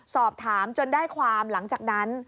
สอบถามจนได้ความหลังจากนั้น